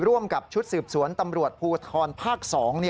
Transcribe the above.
ร่วมกับชุดสืบสวนตำรวจภูทรภาค๒